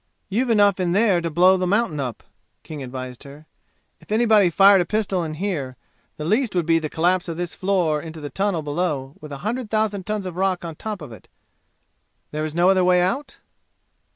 "You've enough in there to blow the mountain up!" King advised her. "If somebody fired a pistol in here, the least would be the collapse of this floor into the tunnel below with a hundred thousand tons of rock on top of it. There is no other way out?"